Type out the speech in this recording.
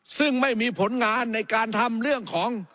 ซึ่งไม่มีผลงานในการทำเรื่องของ